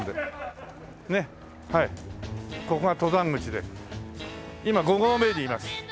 ここが登山口で今５合目にいます。